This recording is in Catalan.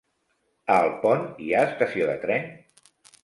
A Alpont hi ha estació de tren?